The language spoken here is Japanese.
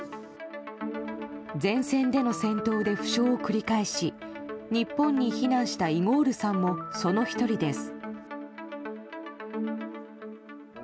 前線での戦闘で負傷を繰り返し日本に避難したイゴールさんもその１人です。